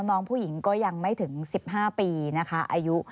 น้องผู้หญิงก็ยังไม่ถึง๑๕ปีนะคะอายุ